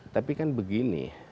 tapi kan begini